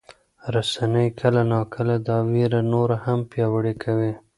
رسنۍ کله ناکله دا ویره نوره هم پیاوړې کوي.